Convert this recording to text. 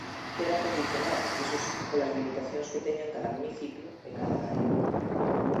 Queda condicionada, iso si, polas limitacións que teñan cada municipio e cada área.